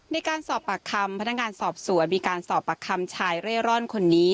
ในการสอบปากคำพนักงานสอบสวนมีการสอบปากคำชายเร่ร่อนคนนี้